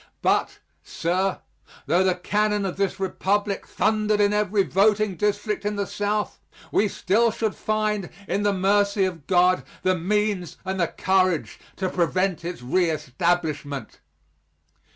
But, sir, though the cannon of this Republic thundered in every voting district in the South, we still should find in the mercy of God the means and the courage to prevent its reestablishment.